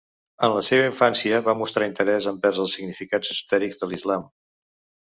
En la seva infància va mostrar interès envers els significats esotèrics de l'islam.